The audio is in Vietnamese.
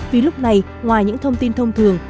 vì lúc này ngoài những thông tin thông thường